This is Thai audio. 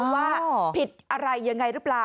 ว่าผิดอะไรยังไงหรือเปล่า